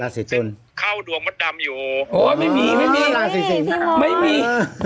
ราศีทุลคร่าวดวงมัดดำอยู่โอ้ยไม่มีไม่มีไม่มีไม่มี